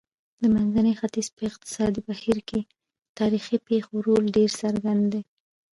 د منځني ختیځ په اقتصادي بهیر کې تاریخي پېښو رول ډېر څرګند دی.